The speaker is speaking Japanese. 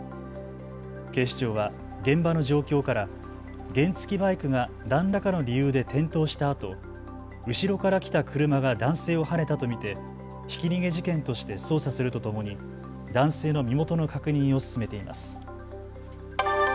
警視庁は現場の状況から原付きバイクが何らかの理由で転倒したあと後ろから来た車が男性をはねたと見てひき逃げ事件として捜査するとともに男性の身元の確認を進めています。